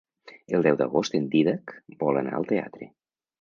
El deu d'agost en Dídac vol anar al teatre.